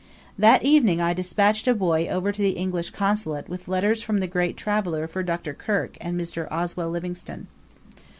That evening I despatched a boy over to the English Consulate with letters from the great traveller for Dr. Kirk and Mr. Oswell Livingstone.